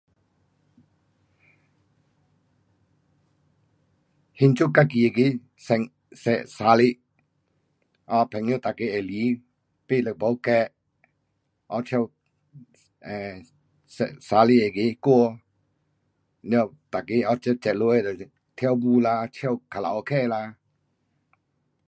庆祝自己的生日 um 朋友每个会来，